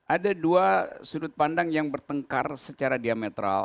ada dua sudut pandang yang bertengkar secara diametral